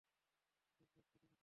NTSB দুর্ঘটনার তদন্ত করছে।